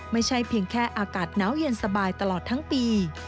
ไม่ใช่เพียงแค่อากาศหนาวเย็นสบายตลอดทั้งปี